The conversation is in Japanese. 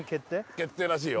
決定らしいよ